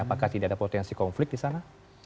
apakah tidak ada potensi konflik di sana